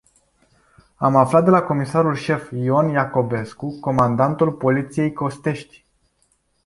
Am aflat de la comisarul șef Ion Iacobescu, comandantul Poliției Costești.